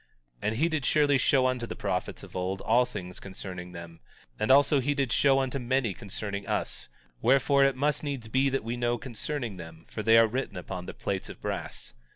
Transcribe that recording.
19:21 And he surely did show unto the prophets of old all things concerning them; and also he did show unto many concerning us; wherefore, it must needs be that we know concerning them for they are written upon the plates of brass.